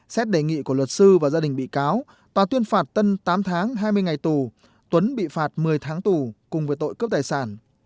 xét đề nghị của luật sư và gia đình bị cáo tòa tuyên phạt tân tám tháng hai mươi ngày tù tuấn bị phạt một mươi tháng tù cùng với tội cướp tài sản